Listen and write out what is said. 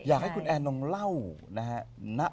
อยากให้คุณแอนงเล่านะฮะ